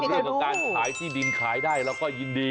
เรื่องของการขายที่ดินขายได้เราก็ยินดี